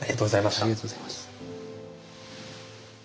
ありがとうございます。